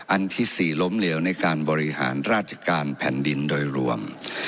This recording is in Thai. อันที่๔ล้มเหลวในการบริหารราชการแผ่นดินโดยรวม